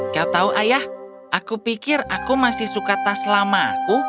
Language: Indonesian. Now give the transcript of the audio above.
kau tahu ayah aku pikir aku masih suka tas lama aku